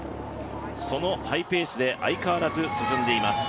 そのハイペースで相変わらず進んでいます。